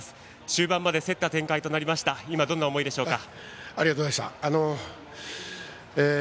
終盤まで競った展開となりましたが今、どんな思いでしょうか。